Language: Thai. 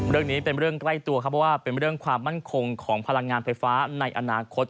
เรื่องนี้เป็นเรื่องใกล้ตัวครับเพราะว่าเป็นเรื่องความมั่นคงของพลังงานไฟฟ้าในอนาคต